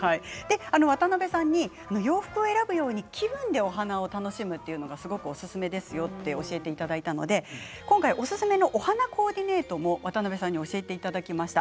渡辺さんに洋服を選ぶように気分でお花を楽しむというのがおすすめですよと教えていただいたので今回おすすめのお花コーディネートも渡辺さんに教えていただきました。